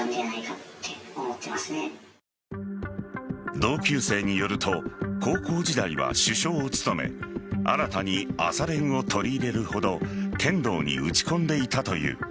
同級生によると高校時代は主将を務め新たに朝練を取り入れるほど剣道に打ち込んでいたという。